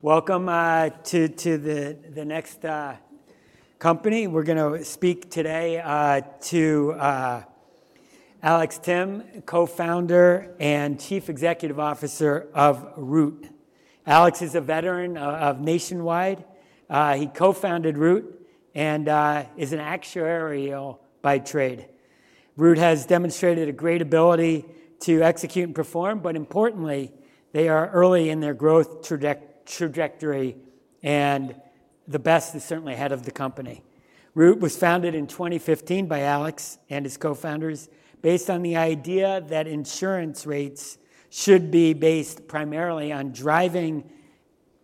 Welcome to the next company. We're going to speak today to Alex Timm, Co-founder and Chief Executive Officer of Root. Alex is a veteran of Nationwide. He co-founded Root and is an actuary by trade. Root has demonstrated a great ability to execute and perform, but importantly, they are early in their growth trajectory and the best, and certainly ahead of the company. Root was founded in 2015 by Alex and his co-founders, based on the idea that insurance rates should be based primarily on driving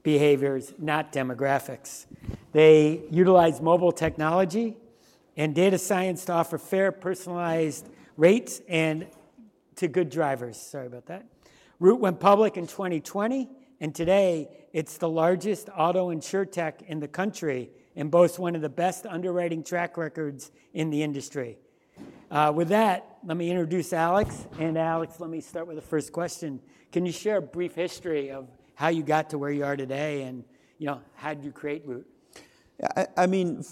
behaviors, not demographics. They utilize mobile technology and data science to offer fair, personalized rates and to good drivers. Sorry about that. Root went public in 2020, and today it's the largest auto insurtech in the country and boasts one of the best underwriting track records in the industry. With that, let me introduce Alex. Alex, let me start with the first question. Can you share a brief history of how you got to where you are today and how did you create Root? I mean,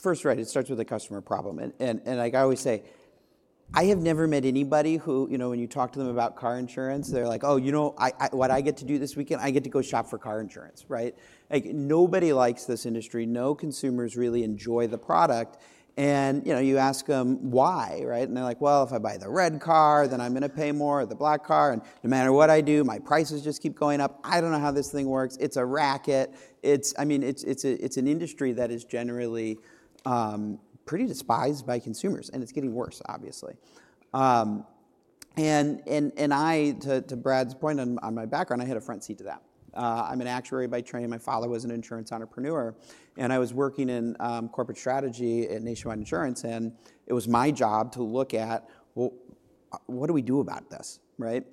first, right, it starts with a customer problem. And like I always say, I have never met anybody who, you know, when you talk to them about car insurance, they're like, oh, you know, what I get to do this weekend, I get to go shop for car insurance, right? Nobody likes this industry. No consumers really enjoy the product. And you ask them why, right? And they're like, well, if I buy the red car, then I'm going to pay more or the black car. And no matter what I do, my prices just keep going up. I don't know how this thing works. It's a racket. I mean, it's an industry that is generally pretty despised by consumers, and it's getting worse, obviously. And to Brad's point on my background, I had a front seat to that. I'm an actuary by training. My father was an insurance entrepreneur, and I was working in corporate strategy at Nationwide Insurance. And it was my job to look at, well, what do we do about this, right?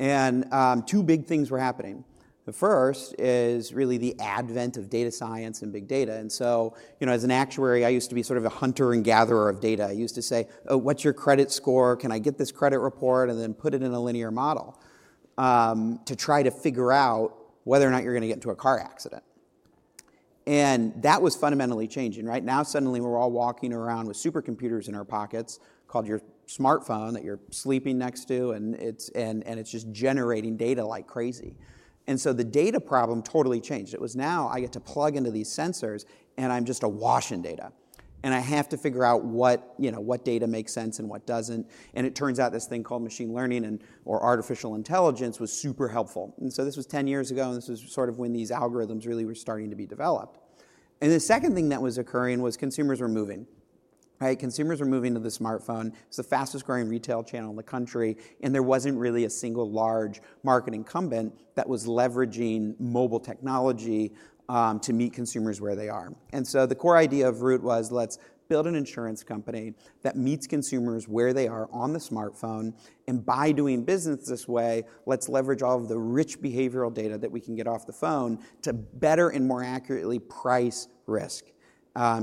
And two big things were happening. The first is really the advent of data science and big data. And so, you know, as an actuary, I used to be sort of a hunter and gatherer of data. I used to say, oh, what's your credit score? Can I get this credit report and then put it in a linear model to try to figure out whether or not you're going to get into a car accident? And that was fundamentally changing, right? Now, suddenly, we're all walking around with supercomputers in our pockets, called your smartphone that you're sleeping next to, and it's just generating data like crazy. And so the data problem totally changed. It was now I get to plug into these sensors, and I'm just awash in data. And I have to figure out what data makes sense and what doesn't. And it turns out this thing called machine learning or artificial intelligence was super helpful. And so this was 10 years ago, and this was sort of when these algorithms really were starting to be developed. And the second thing that was occurring was consumers were moving. Consumers were moving to the smartphone. It's the fastest growing retail channel in the country, and there wasn't really a single large market incumbent that was leveraging mobile technology to meet consumers where they are. And so the core idea of Root was, let's build an insurance company that meets consumers where they are on the smartphone. And by doing business this way, let's leverage all of the rich behavioral data that we can get off the phone to better and more accurately price risk.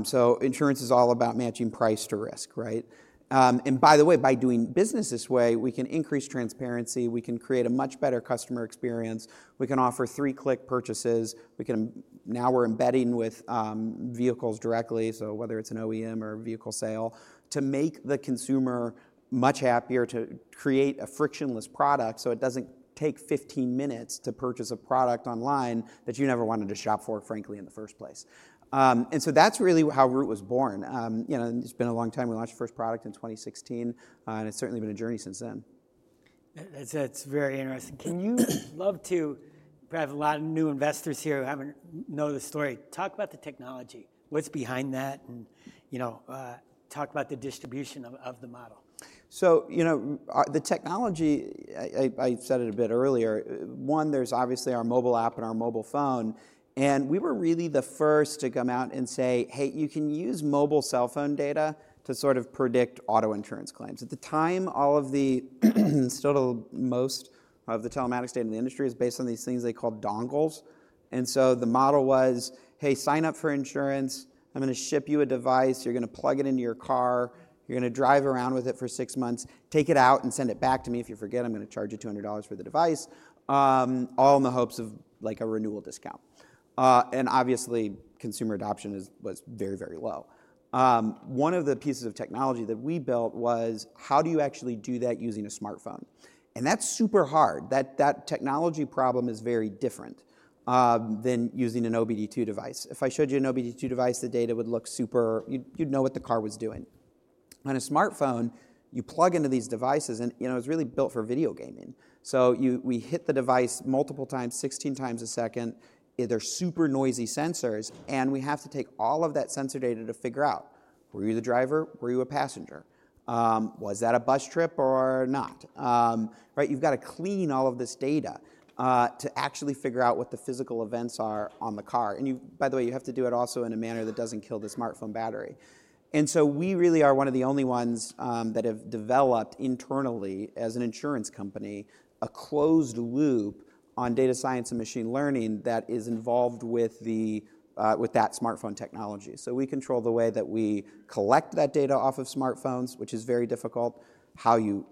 So insurance is all about matching price to risk, right? And by the way, by doing business this way, we can increase transparency. We can create a much better customer experience. We can offer three-click purchases. Now we're embedding with vehicles directly, so whether it's an OEM or a vehicle sale, to make the consumer much happier, to create a frictionless product so it doesn't take 15 minutes to purchase a product online that you never wanted to shop for, frankly, in the first place. And so that's really how Root was born. It's been a long time. We launched the first product in 2016, and it's certainly been a journey since then. That's very interesting. We have a lot of new investors here who haven't known the story. Talk about the technology. What's behind that? And talk about the distribution of the model. So the technology, I said it a bit earlier. One, there's obviously our mobile app and our mobile phone. And we were really the first to come out and say, hey, you can use mobile cell phone data to sort of predict auto insurance claims. At the time, all of the still most of the telematics data in the industry is based on these things they call dongles. And so the model was, hey, sign up for insurance. I'm going to ship you a device. You're going to plug it into your car. You're going to drive around with it for six months. Take it out and send it back to me. If you forget, I'm going to charge you $200 for the device, all in the hopes of like a renewal discount. And obviously, consumer adoption was very, very low. One of the pieces of technology that we built was, how do you actually do that using a smartphone? And that's super hard. That technology problem is very different than using an OBD-II device. If I showed you an OBD-II device, the data would look super, you'd know what the car was doing. On a smartphone, you plug into these devices, and it was really built for video gaming. So we hit the device multiple times, 16 times a second. They're super noisy sensors, and we have to take all of that sensor data to figure out, were you the driver? Were you a passenger? Was that a bus trip or not? You've got to clean all of this data to actually figure out what the physical events are on the car. And by the way, you have to do it also in a manner that doesn't kill the smartphone battery. And so we really are one of the only ones that have developed internally, as an insurance company, a closed loop on data science and machine learning that is involved with that smartphone technology. So we control the way that we collect that data off of smartphones, which is very difficult, how you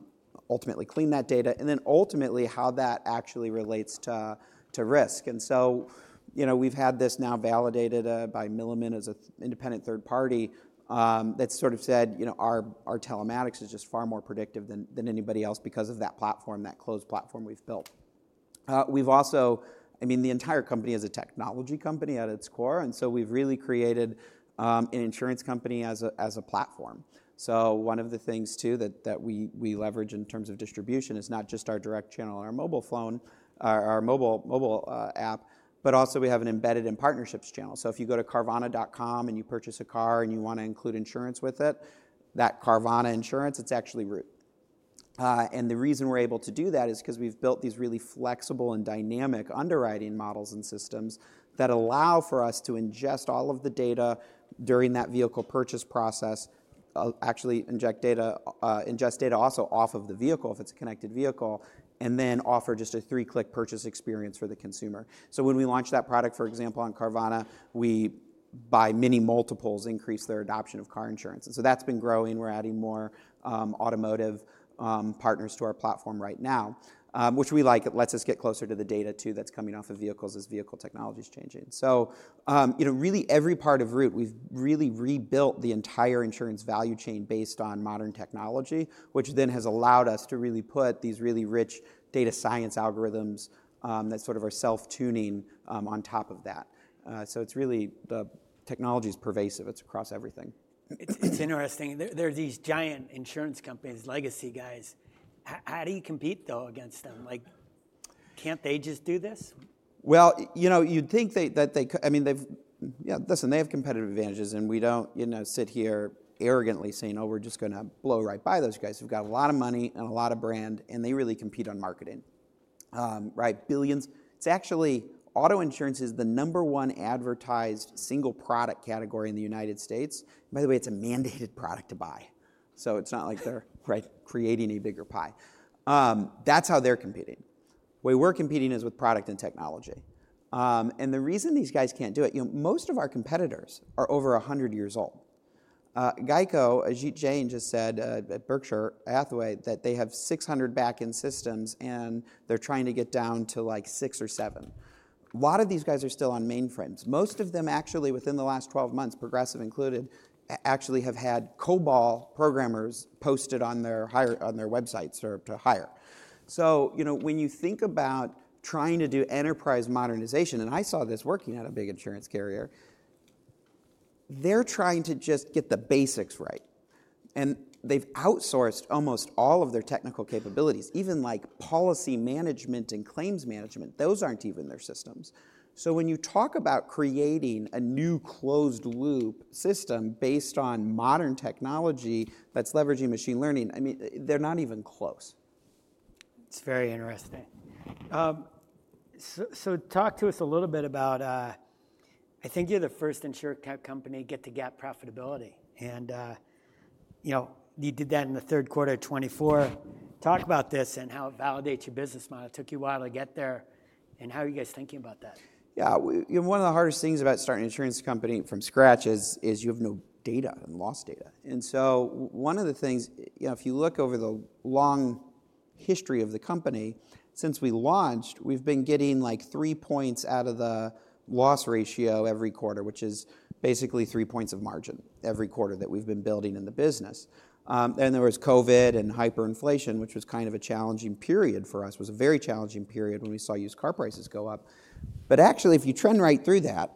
ultimately clean that data, and then ultimately how that actually relates to risk. And so we've had this now validated by Milliman as an independent third party that sort of said, our telematics is just far more predictive than anybody else because of that platform, that closed platform we've built. I mean, the entire company is a technology company at its core, and so we've really created an insurance company as a platform. So one of the things, too, that we leverage in terms of distribution is not just our direct channel on our mobile phone, our mobile app, but also we have an embedded in partnerships channel. So if you go to carvana.com and you purchase a car and you want to include insurance with it, that Carvana Insurance, it's actually Root. And the reason we're able to do that is because we've built these really flexible and dynamic underwriting models and systems that allow for us to ingest all of the data during that vehicle purchase process, actually ingest data also off of the vehicle if it's a connected vehicle, and then offer just a three-click purchase experience for the consumer. So when we launched that product, for example, on Carvana, we by many multiples increased their adoption of car insurance. And so that's been growing. We're adding more automotive partners to our platform right now, which we like. It lets us get closer to the data, too, that's coming off of vehicles as vehicle technology is changing. So really every part of Root, we've really rebuilt the entire insurance value chain based on modern technology, which then has allowed us to really put these really rich data science algorithms that sort of are self-tuning on top of that. So it's really the technology is pervasive. It's across everything. It's interesting. There are these giant insurance companies, legacy guys. How do you compete, though, against them? Can't they just do this? Well, you'd think that they could. I mean, listen, they have competitive advantages, and we don't sit here arrogantly saying, oh, we're just going to blow right by those guys. They've got a lot of money and a lot of brand, and they really compete on marketing. Billions. It's actually auto insurance is the number one advertised single product category in the United States. By the way, it's a mandated product to buy. So it's not like they're creating a bigger pie. That's how they're competing. The way we're competing is with product and technology. And the reason these guys can't do it, most of our competitors are over 100 years old. GEICO, as Ajit Jain just said at Berkshire Hathaway, that they have 600 back-end systems, and they're trying to get down to like six or seven. A lot of these guys are still on mainframes. Most of them actually, within the last 12 months, Progressive included, actually have had COBOL programmers posted on their websites to hire. So when you think about trying to do enterprise modernization, and I saw this working at a big insurance carrier, they're trying to just get the basics right. And they've outsourced almost all of their technical capabilities, even like policy management and claims management. Those aren't even their systems. So when you talk about creating a new closed loop system based on modern technology that's leveraging machine learning, I mean, they're not even close. It's very interesting. So talk to us a little bit about, I think you're the first insurtech company to get to GAAP profitability. And you did that in the third quarter of 2024. Talk about this and how it validates your business model. It took you a while to get there. And how are you guys thinking about that? Yeah, one of the hardest things about starting an insurance company from scratch is you have no data and lost data. And so one of the things, if you look over the long history of the company, since we launched, we've been getting like three points out of the loss ratio every quarter, which is basically three points of margin every quarter that we've been building in the business. And there was COVID and hyperinflation, which was kind of a challenging period for us. It was a very challenging period when we saw used car prices go up. But actually, if you trend right through that,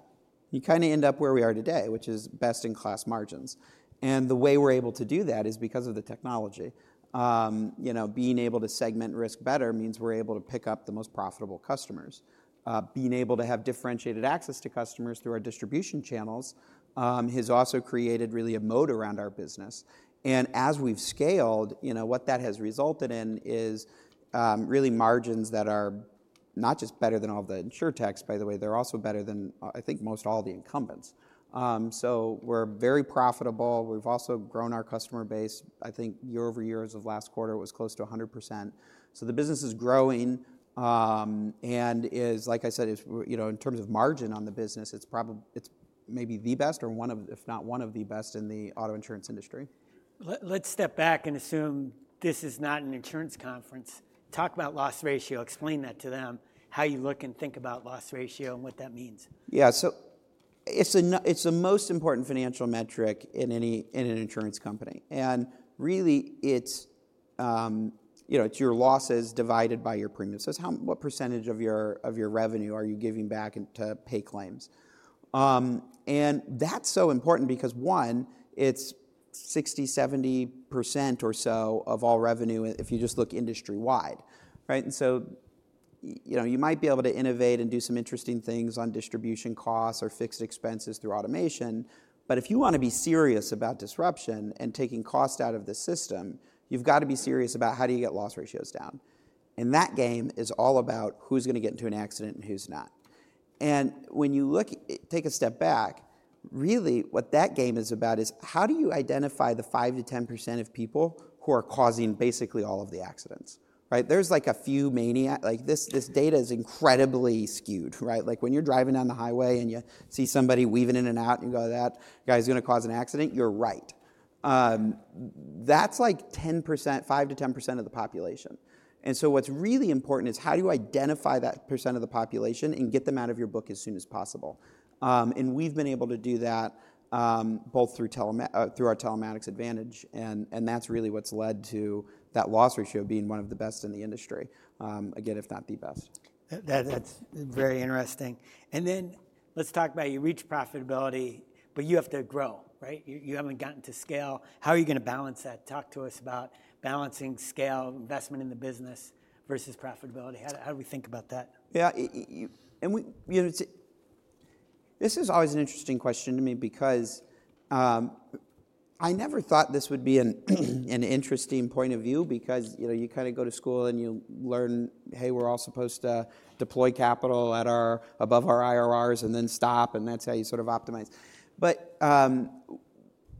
you kind of end up where we are today, which is best in class margins. And the way we're able to do that is because of the technology. Being able to segment risk better means we're able to pick up the most profitable customers. Being able to have differentiated access to customers through our distribution channels has also created really a moat around our business, and as we've scaled, what that has resulted in is really margins that are not just better than all the insurtechs, by the way. They're also better than, I think, most all the incumbents, so we're very profitable. We've also grown our customer base. I think year over year as of last quarter, it was close to 100%, so the business is growing, and like I said, in terms of margin on the business, it's maybe the best or one of, if not one of the best in the auto insurance industry. Let's step back and assume this is not an insurance conference. Talk about loss ratio. Explain that to them, how you look and think about loss ratio and what that means. Yeah, so it's the most important financial metric in an insurance company. And really, it's your losses divided by your premiums. So what percentage of your revenue are you giving back to pay claims? And that's so important because, one, it's 60%-70% or so of all revenue if you just look industry-wide. And so you might be able to innovate and do some interesting things on distribution costs or fixed expenses through automation. But if you want to be serious about disruption and taking cost out of the system, you've got to be serious about how do you get loss ratios down. And that game is all about who's going to get into an accident and who's not. And when you take a step back, really, what that game is about is how do you identify the 5%-10% of people who are causing basically all of the accidents? There's like a few many. This data is incredibly skewed. Like when you're driving down the highway and you see somebody weaving in and out and you go, that guy's going to cause an accident, you're right. That's like 5%-10% of the population. And so what's really important is how do you identify that percent of the population and get them out of your book as soon as possible? And we've been able to do that both through our telematics advantage, and that's really what's led to that loss ratio being one of the best in the industry. Again, if not the best. That's very interesting, and then let's talk about your GAAP profitability, but you have to grow, right? You haven't gotten to scale. How are you going to balance that? Talk to us about balancing scale, investment in the business versus profitability. How do we think about that? Yeah, this is always an interesting question to me because I never thought this would be an interesting point of view because you kind of go to school and you learn, hey, we're all supposed to deploy capital above our IRRs and then stop, and that's how you sort of optimize. But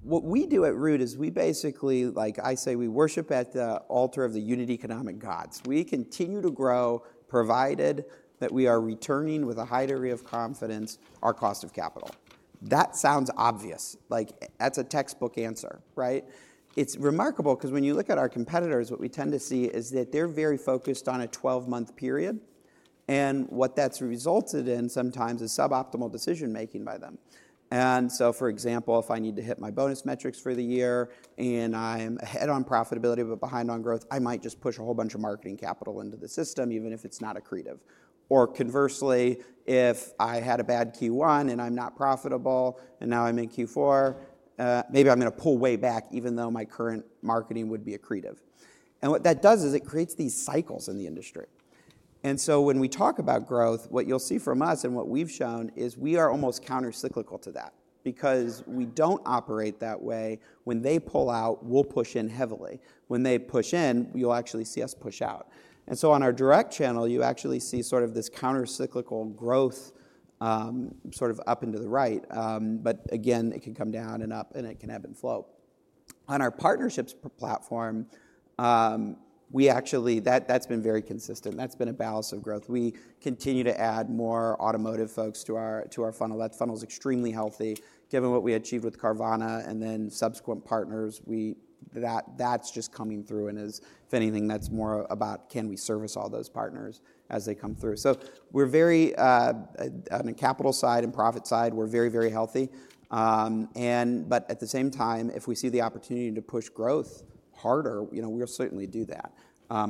what we do at Root is we basically, like I say, we worship at the altar of the unit economic gods. We continue to grow provided that we are returning with a high degree of confidence our cost of capital. That sounds obvious. That's a textbook answer, right? It's remarkable because when you look at our competitors, what we tend to see is that they're very focused on a 12-month period, and what that's resulted in sometimes is suboptimal decision-making by them. And so, for example, if I need to hit my bonus metrics for the year and I'm ahead on profitability but behind on growth, I might just push a whole bunch of marketing capital into the system, even if it's not accretive. Or conversely, if I had a bad Q1 and I'm not profitable and now I'm in Q4, maybe I'm going to pull way back even though my current marketing would be accretive. And what that does is it creates these cycles in the industry. And so when we talk about growth, what you'll see from us and what we've shown is we are almost countercyclical to that because we don't operate that way. When they pull out, we'll push in heavily. When they push in, you'll actually see us push out. And so on our direct channel, you actually see sort of this countercyclical growth sort of up and to the right. But again, it can come down and up, and it can ebb and flow. On our partnerships platform, that's been very consistent. That's been a balance of growth. We continue to add more automotive folks to our funnel. That funnel is extremely healthy. Given what we achieved with Carvana and then subsequent partners, that's just coming through. And if anything, that's more about can we service all those partners as they come through. So on the capital side and profit side, we're very, very healthy. But at the same time, if we see the opportunity to push growth harder, we'll certainly do that,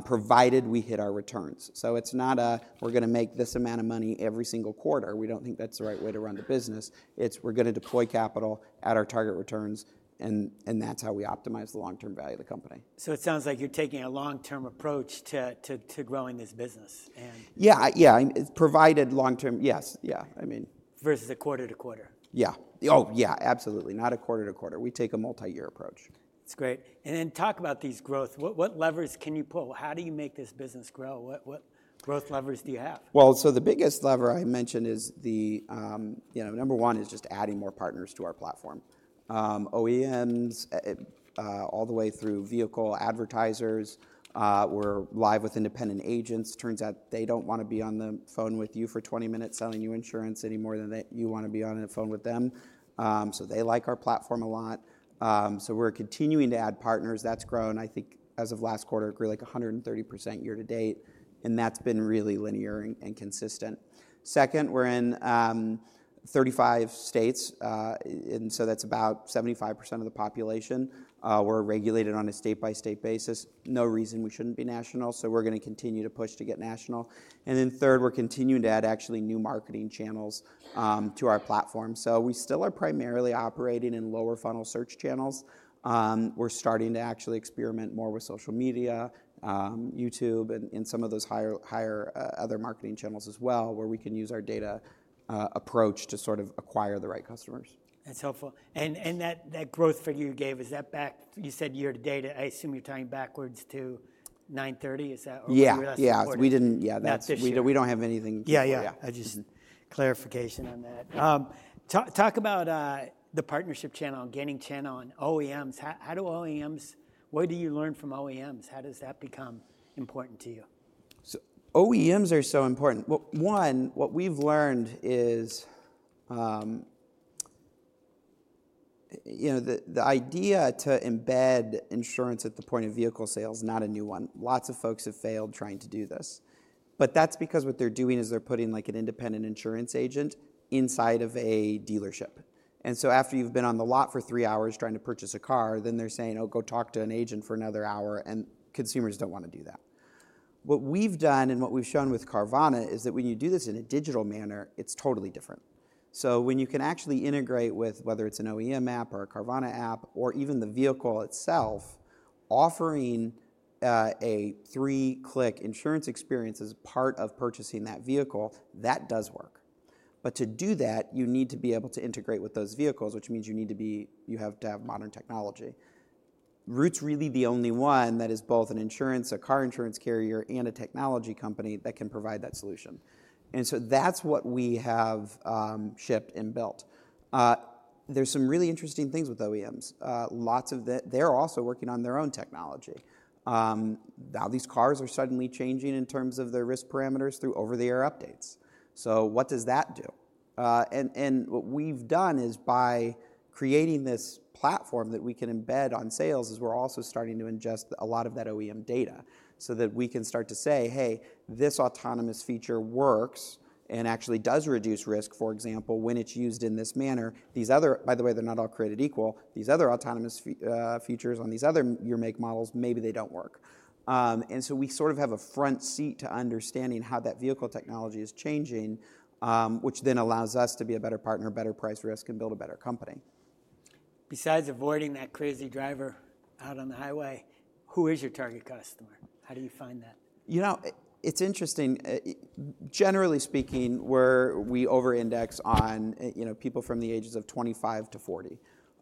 provided we hit our returns. So it's not a, we're going to make this amount of money every single quarter. We don't think that's the right way to run the business. It's, we're going to deploy capital at our target returns, and that's how we optimize the long-term value of the company. So it sounds like you're taking a long-term approach to growing this business. Yeah, yeah. Provided long-term, yes, yeah. I mean. Versus a quarter to quarter. Yeah. Oh, yeah, absolutely. Not a quarter to quarter. We take a multi-year approach. That's great. And then talk about these growth. What levers can you pull? How do you make this business grow? What growth levers do you have? Well, so the biggest lever I mentioned is number one is just adding more partners to our platform. OEMs all the way through vehicle advertisers. We're live with independent agents. Turns out they don't want to be on the phone with you for 20 minutes selling you insurance any more than you want to be on the phone with them. So they like our platform a lot. So we're continuing to add partners. That's grown. I think as of last quarter, it grew like 130% year to date, and that's been really linear and consistent. Second, we're in 35 states, and so that's about 75% of the population. We're regulated on a state-by-state basis. No reason we shouldn't be national. So we're going to continue to push to get national. And then third, we're continuing to add actually new marketing channels to our platform. So we still are primarily operating in lower funnel search channels. We're starting to actually experiment more with social media, YouTube, and some of those higher other marketing channels as well, where we can use our data approach to sort of acquire the right customers. That's helpful. And that growth figure you gave, is that back? You said year to date. I assume you're tying backwards to 930. Is that? Yeah, yeah. We don't have anything. Yeah, yeah. Just clarification on that. Talk about the partnership channel, getting channel and OEMs. What do you learn from OEMs? How does that become important to you? OEMs are so important. One, what we've learned is the idea to embed insurance at the point of vehicle sales is not a new one. Lots of folks have failed trying to do this. But that's because what they're doing is they're putting like an independent insurance agent inside of a dealership. And so after you've been on the lot for three hours trying to purchase a car, then they're saying, oh, go talk to an agent for another hour, and consumers don't want to do that. What we've done and what we've shown with Carvana is that when you do this in a digital manner, it's totally different. So when you can actually integrate with whether it's an OEM app or a Carvana app or even the vehicle itself, offering a three-click insurance experience as part of purchasing that vehicle, that does work. But to do that, you need to be able to integrate with those vehicles, which means you have to have modern technology. Root's really the only one that is both an insurance, a car insurance carrier, and a technology company that can provide that solution. And so that's what we have shipped and built. There's some really interesting things with OEMs. They're also working on their own technology. Now these cars are suddenly changing in terms of their risk parameters through over-the-air updates. So what does that do? And what we've done is by creating this platform that we can embed on sales is we're also starting to ingest a lot of that OEM data so that we can start to say, hey, this autonomous feature works and actually does reduce risk, for example, when it's used in this manner. By the way, they're not all created equal. These other autonomous features on these other year-make models, maybe they don't work, and so we sort of have a front seat to understanding how that vehicle technology is changing, which then allows us to be a better partner, better price risk, and build a better company. Besides avoiding that crazy driver out on the highway, who is your target customer? How do you find that? You know, it's interesting. Generally speaking, we over-index on people from the ages of 25 to 40,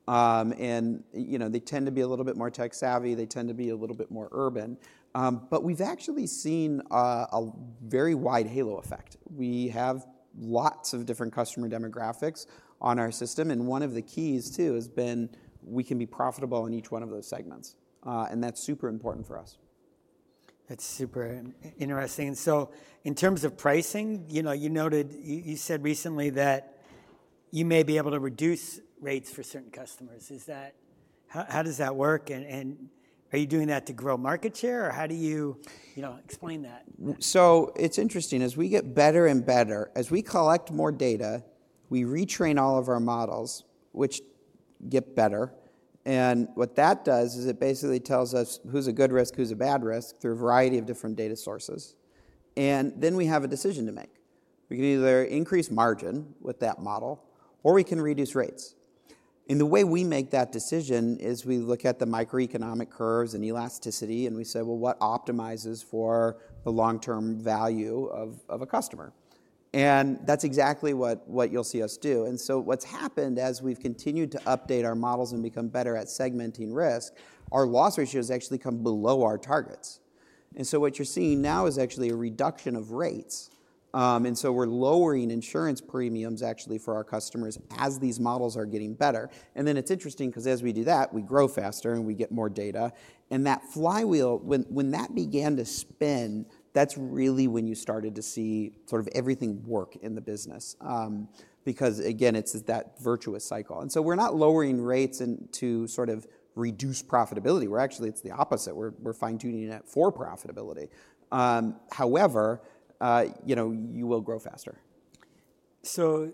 and they tend to be a little bit more tech-savvy. They tend to be a little bit more urban, but we've actually seen a very wide halo effect. We have lots of different customer demographics on our system, and one of the keys too has been we can be profitable in each one of those segments, and that's super important for us. That's super interesting. And so in terms of pricing, you said recently that you may be able to reduce rates for certain customers. How does that work? And are you doing that to grow market share? Or how do you explain that? It's interesting. As we get better and better, as we collect more data, we retrain all of our models, which get better. What that does is it basically tells us who's a good risk, who's a bad risk through a variety of different data sources. We have a decision to make. We can either increase margin with that model, or we can reduce rates. The way we make that decision is we look at the microeconomic curves and elasticity, and we say, well, what optimizes for the long-term value of a customer? That's exactly what you'll see us do. What's happened as we've continued to update our models and become better at segmenting risk, our loss ratios actually come below our targets. What you're seeing now is actually a reduction of rates. And so we're lowering insurance premiums actually for our customers as these models are getting better. And then it's interesting because as we do that, we grow faster and we get more data. And that flywheel, when that began to spin, that's really when you started to see sort of everything work in the business because, again, it's that virtuous cycle. And so we're not lowering rates to sort of reduce profitability. We're actually, it's the opposite. We're fine-tuning it for profitability. However, you will grow faster. So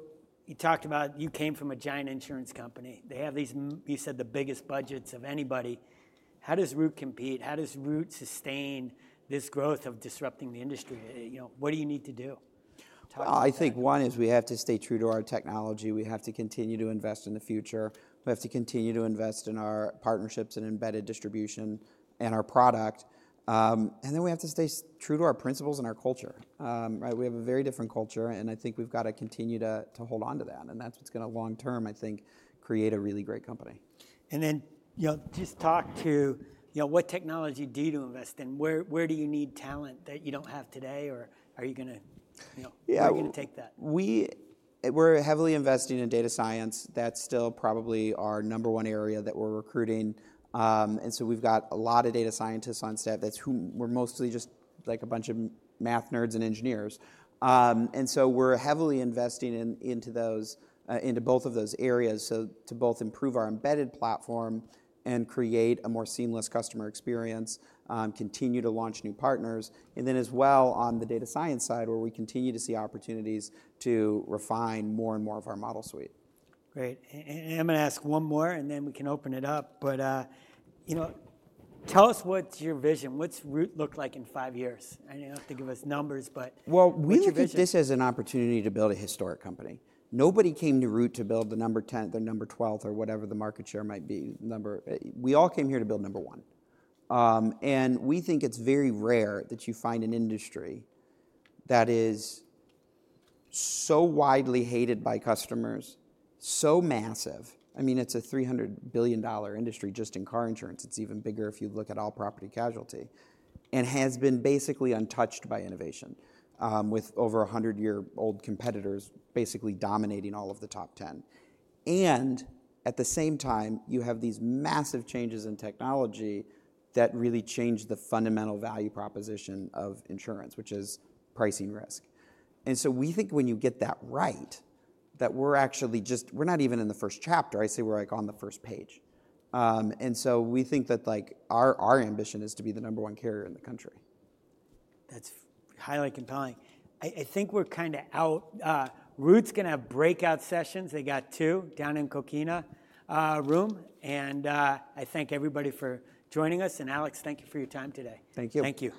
you talked about you came from a giant insurance company. They have these, you said, the biggest budgets of anybody. How does Root compete? How does Root sustain this growth of disrupting the industry? What do you need to do? I think one is we have to stay true to our technology. We have to continue to invest in the future. We have to continue to invest in our partnerships and embedded distribution and our product. And then we have to stay true to our principles and our culture. We have a very different culture, and I think we've got to continue to hold on to that. And that's what's going to, long-term, I think, create a really great company. And then just talk to what technology do you invest in? Where do you need talent that you don't have today? Or are you going to take that? We're heavily investing in data science. That's still probably our number one area that we're recruiting. And so we've got a lot of data scientists on staff. We're mostly just like a bunch of math nerds and engineers. And so we're heavily investing into both of those areas to both improve our embedded platform and create a more seamless customer experience, continue to launch new partners. And then as well on the data science side, where we continue to see opportunities to refine more and more of our model suite. Great, and I'm going to ask one more, and then we can open it up, but tell us what's your vision. What's Root look like in five years? I don't have to give us numbers, but what's your vision? This is an opportunity to build a historic company. Nobody came to Root to build the number 10, the number 12, or whatever the market share might be. We all came here to build number one. And we think it's very rare that you find an industry that is so widely hated by customers, so massive. I mean, it's a $300 billion industry just in car insurance. It's even bigger if you look at all property casualty and has been basically untouched by innovation, with over 100-year-old competitors basically dominating all of the top 10. And at the same time, you have these massive changes in technology that really change the fundamental value proposition of insurance, which is pricing risk. And so we think when you get that right, that we're actually just, we're not even in the first chapter. I say we're like on the first page. And so we think that our ambition is to be the number one carrier in the country. That's highly compelling. I think we're kind of out. Root's going to have breakout sessions. They got two down in Coquina Room, and I thank everybody for joining us, and Alex, thank you for your time today. Thank you. Thank you.